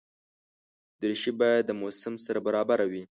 دریشي باید د موسم سره برابره وي.